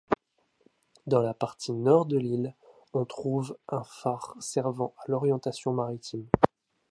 Dans la partie nord de l'île, on trouve un phare servant à l'orientation maritime.